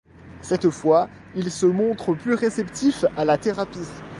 Cette fois il se montre plus réceptif à la thérapie.